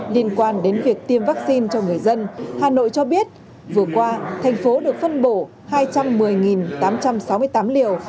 liên quan đến việc tiêm vaccine cho người dân hà nội cho biết vừa qua thành phố được phân bổ hai trăm một mươi tám trăm sáu mươi tám liều